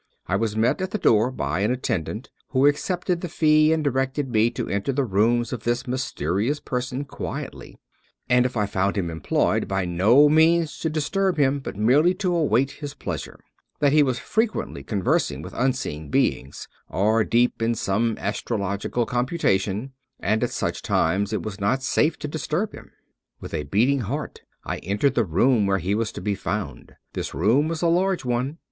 I was met at the door by an attendant, who accepted the fee and directed me to enter the rooms of this mys terious person quietly ; and if I found him employed, by no means to disturb him, but merely to await his pleasure; that he was frequently conversing with unseen beings, or deep in some astrological computation, and at such times it was not safe to disturb him. With a beating heart I entered the room where he was to be fotmd. This room was a large one.